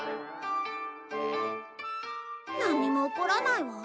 なんにも起こらないわ。